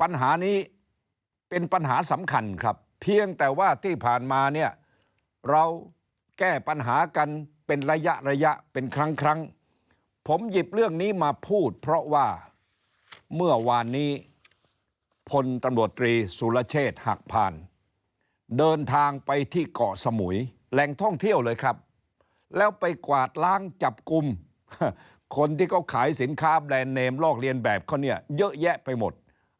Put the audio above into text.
ปัญหานี้เป็นปัญหาสำคัญครับเพียงแต่ว่าที่ผ่านมาเนี่ยเราแก้ปัญหากันเป็นระยะระยะเป็นครั้งครั้งผมหยิบเรื่องนี้มาพูดเพราะว่าเมื่อวานนี้พลตำรวจตรีสุรเชษฐ์หักผ่านเดินทางไปที่เกาะสมุยแหล่งท่องเที่ยวเลยครับแล้วไปกวาดล้างจับกลุ่มคนที่เขาขายสินค้าแบรนด์เนมลอกเรียนแบบเขาเนี่ยเยอะแยะไปหมด